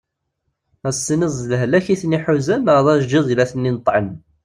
Ad as-tiniḍ d lehlak iten-iḥuzan neɣ d ajeǧǧiḍ i la iten-ineṭɛen.